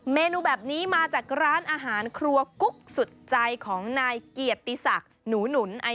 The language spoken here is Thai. เมนูแบบนี้มาจากร้านอาหารครัวกุ๊กสุดใจของนายเกียรติศักดิ์หนูหนุน